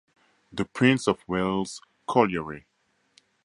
"The Prince of Wales Colliery"